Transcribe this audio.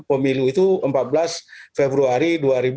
pemilu itu empat belas februari dua ribu dua puluh